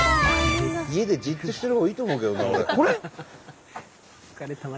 家でじっとしてるほうがいいと思うけどな俺。